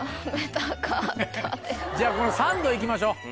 じゃあこのサンド行きましょう。